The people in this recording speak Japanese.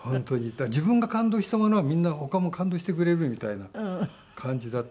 だから自分が感動したものはみんな他も感動してくれるみたいな感じだった。